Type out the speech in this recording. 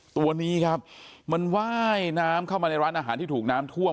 ตัวนี้ครับไว้น้ำเข้ามาในร้านที่ถูกน้ำท่วม